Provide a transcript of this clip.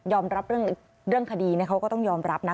รับเรื่องคดีเขาก็ต้องยอมรับนะ